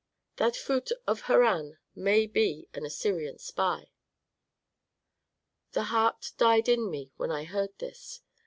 That Phut of Harran may be an Assyrian spy.' The heart died in me when I heard this.